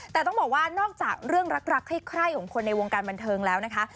แต่ต้องบอกว่านอกจากเรื่องรักใคร่ของคนในวงการบันเทิงแล้วนะคะ